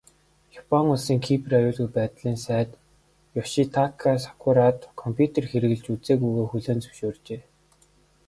Япон улсын Кибер аюулгүй байдлын сайд Ёшитака Сакурада компьютер хэрэглэж үзээгүйгээ хүлээн зөвшөөрчээ.